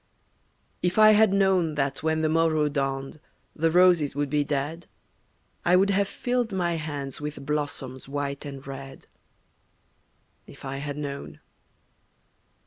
If I had known That when the morrow dawned the roses would be dead I would have filled my hands with blossoms white and red. If I had known!